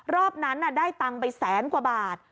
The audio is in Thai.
รอบนั้นได้ตังค์ไปแสนกว่าบาท